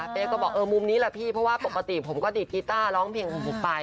ก็บอกเออมุมนี้แหละพี่เพราะว่าปกติผมก็ดีดกีต้าร้องเพลงของผมไป